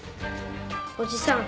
おじさん。